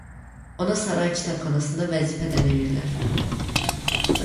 Ona saray kitabxanasında vəzifə də verirlər.